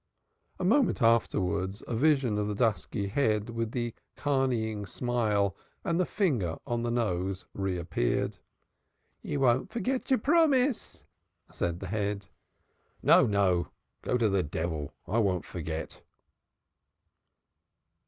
A moment afterwards, a vision of the dusky head, with the carneying smile and the finger on the nose, reappeared. "You von't forget your promise," said the head. "No, no. Go to the devil. I won't forget."